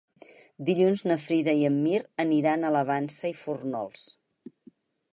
Dilluns na Frida i en Mirt aniran a la Vansa i Fórnols.